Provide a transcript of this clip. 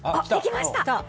できました！